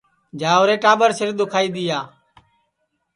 جاؤرے ٹاٻر سِر دُؔکھائی دؔیا